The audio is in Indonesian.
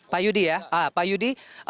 pak yudi ya pak yudi